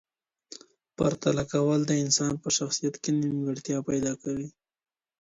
پرتله کول د انسان په شخصیت کي نیمګړتیا پیدا کوي.